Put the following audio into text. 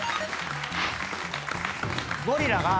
ゴリラが。